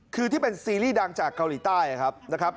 คือที่เป็นซีรีส์ดังจากเกาหลีใต้ครับนะครับ